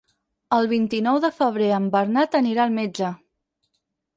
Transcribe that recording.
El vint-i-nou de febrer en Bernat anirà al metge.